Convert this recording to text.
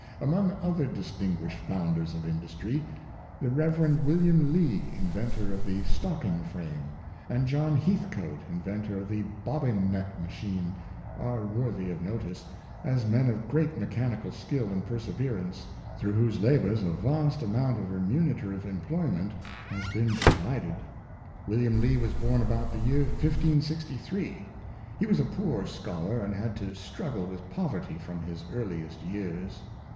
Among other distinguished founders of industry, the Rev. William Lee, inventor of the Stocking frame, and John Heathcoat, inventor of the Bobbin net Machine, are worthy of notice, as men of great mechanical skill and perseverance, through whose labors a vast amount of remunerative employment has been provided. Wil liam Lee was born about the year 1563. He was a poor scholar, and had to struggle with poverty from his earliest years.